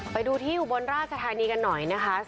ไปดูที่อุบลราชธานีกันหน่อยนะคะ